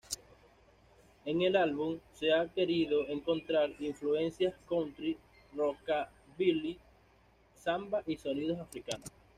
En el álbum se han querido encontrar influencias country, rockabilly, samba y sonidos africanos.